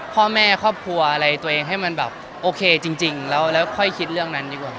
พ่อแม่ครอบครัวอะไรตัวเอง